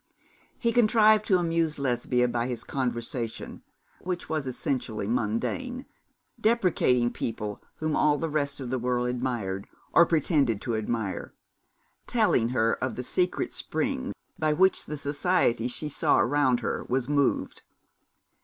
He contrived to amuse Lesbia by his conversation, which was essentially mundane, depreciating people whom all the rest of the world admired, or pretended to admire, telling her of the secret springs by which the society she saw around her was moved.